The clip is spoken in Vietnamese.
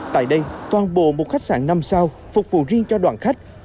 tại đây toàn bộ một khách sạn năm sao phục vụ riêng cho đoàn khách